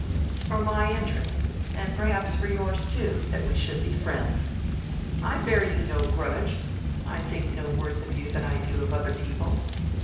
It's for my interest—and perhaps for yours too—that we should be friends. I bear you no grudge; I think no worse of you than I do of other people.